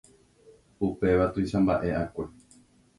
Upéva tuichamba'e'akue.